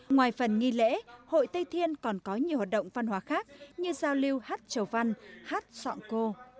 ngoài phần nghi lễ hội tây thiên còn có nhiều hoạt động văn hóa khác như giao lưu hát trầu văn hát sọn cô